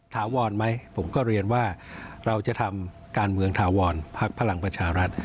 ถาวรไหมผมก็เรียนว่าเราจะทำการเมืองถาวรพักพลังประชารัฐ